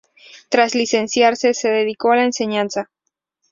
Tras licenciarse, se dedicó a la enseñanza.